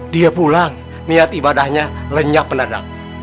dia pulang niat ibadahnya lenyap mendadak